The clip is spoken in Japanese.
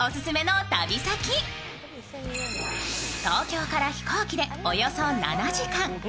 東京から飛行機でおよそ７時間。